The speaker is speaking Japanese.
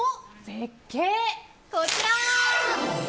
絶景、こちら。